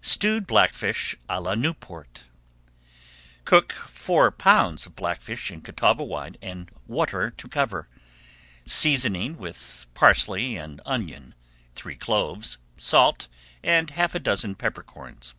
STEWED BLACKFISH À LA NEWPORT Cook four pounds of blackfish in Catawba wine and water to cover, seasoning with parsley and onion, three cloves, salt, and half a dozen pepper corns.